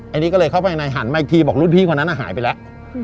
อันนี้ก็เลยเข้าไปในหันมาอีกทีบอกรุ่นพี่คนนั้นหายไปแล้ว